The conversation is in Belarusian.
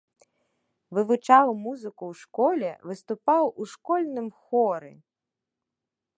Вывучаў музыку ў школе, выступаў у школьным хоры.